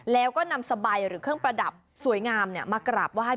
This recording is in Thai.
แล้วก็นำสบายหรือเครื่องประดับสวยงามมากราบไหว้